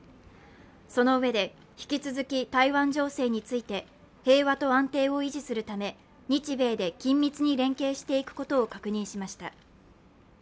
そのうえで、引き続き台湾情勢について平和と安定を維持するため日米で緊密に連携していくことを確認しました。